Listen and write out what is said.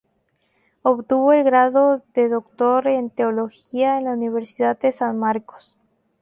Obtuvo el grado de Doctor en Teología en la Universidad de San Marcos.